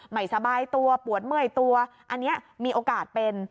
ไม่สบายตัวปวดเมื่อยตัวอันนี้มีโอกาสเป็น